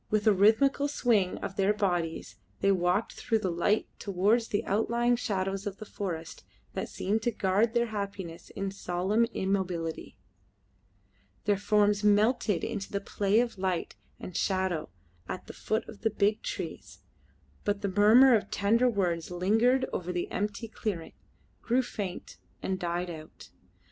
With a rhythmical swing of their bodies they walked through the light towards the outlying shadows of the forests that seemed to guard their happiness in solemn immobility. Their forms melted in the play of light and shadow at the foot of the big trees, but the murmur of tender words lingered over the empty clearing, grew faint, and died out.